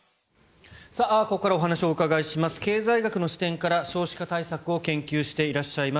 ここからお話を伺います経済学の視点から少子化対策を研究していらっしゃいます